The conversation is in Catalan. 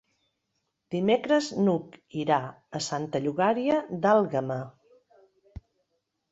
Dimecres n'Hug irà a Santa Llogaia d'Àlguema.